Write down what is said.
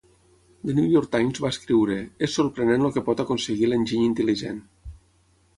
"The New York Times" va escriure, "És sorprenent el que pot aconseguir l'enginy intel·ligent".